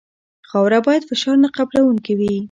خاوره باید فشار نه قبلوونکې وي